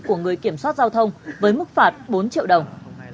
của người kiểm soát giao thông với mức phạt bốn triệu đồng